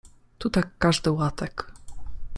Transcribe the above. Tu tak każdy łatek.